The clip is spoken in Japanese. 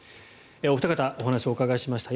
お二方、お話をお伺いしました。